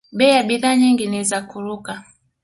Bei ya bidhaa nyingi ni za kuruka